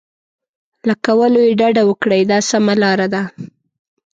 له کولو یې ډډه وکړئ دا سمه لار ده.